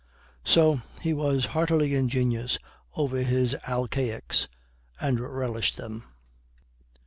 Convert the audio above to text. So he was heartily ingenious over his alcaics, and relished them.